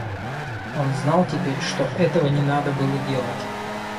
Он знал теперь, что этого не надо было делать.